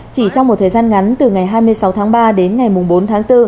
chỉ trong một thời gian ngắn từ ngày hai mươi sáu tháng ba đến ngày bốn tháng bốn